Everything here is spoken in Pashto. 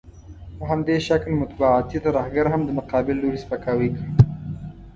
په همدې شکل مطبوعاتي ترهګر هم د مقابل لوري سپکاوی کوي.